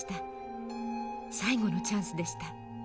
最後のチャンスでした。